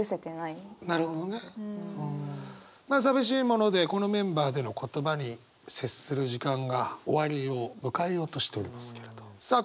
まあ寂しいものでこのメンバーでの言葉に接する時間が終わりを迎えようとしておりますけれどさあ